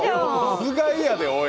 つがいやで、おい！